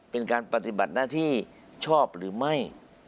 เป็นการปฏิบัติหน้าที่ชอบหรือไม่